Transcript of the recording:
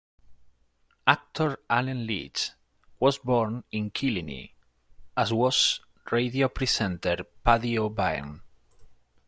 Actor Allen Leech was born in Killiney, as was radio presenter Paddy O'Byrne.